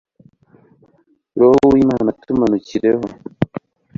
roho w'imana tumanukireho